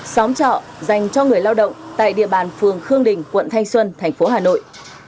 xóm trọ dành cho người lao động tại địa bàn phường khương đình quận thanh xuân thành phố hà nội